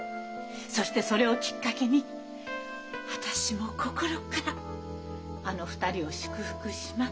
そしてそれをきっかけに私も心からあの２人を祝福します。